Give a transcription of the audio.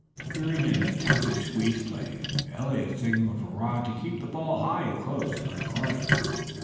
Fearing an attempted squeeze play, Eliot signaled for Rod to keep the ball high and close on Cline.